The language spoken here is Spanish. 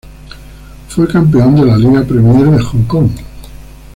Fue campeón de la Liga Premier de Hong Kong.